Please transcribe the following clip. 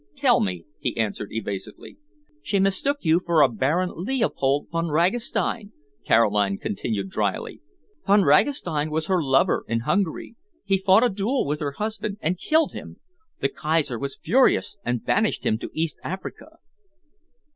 "Tell me?" he answered evasively. "She mistook you for a Baron Leopold Von Ragastein," Caroline continued drily. "Von Ragastein was her lover in Hungary. He fought a duel with her husband and killed him. The Kaiser was furious and banished him to East Africa."